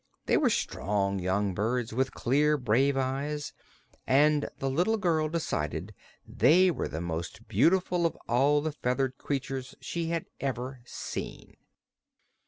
They were strong young birds, with clear, brave eyes, and the little girl decided they were the most beautiful of all the feathered creatures she had ever seen.